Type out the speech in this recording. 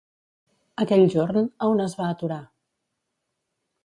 Aquell jorn, a on es va aturar?